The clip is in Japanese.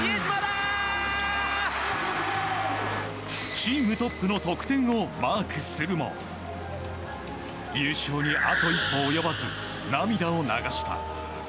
チームトップの得点をマークするも優勝にあと一歩及ばず涙を流した。